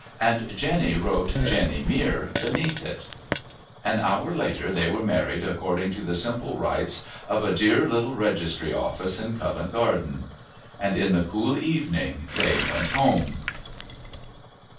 And Jenny wrote "Jenny Mere" beneath it. An hour later they were married according to the simple rites of a dear little registry office in Covent Garden. And in the cool evening they went home.